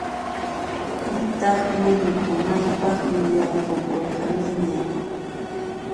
Ñataqmi ripunaypaq yuyaykukurqaniña.